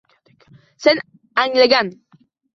Sen anglagan